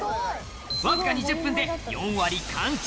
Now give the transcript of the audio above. わずか２０分で４割完食！